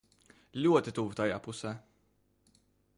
Ļoti tuvu tajā pusē.